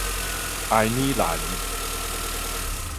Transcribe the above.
哀耳蘭